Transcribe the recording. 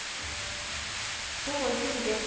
午後１時です。